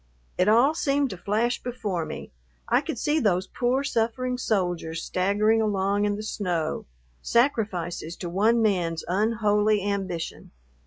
It all seemed to flash before me I could see those poor, suffering soldiers staggering along in the snow, sacrifices to one man's unholy ambition.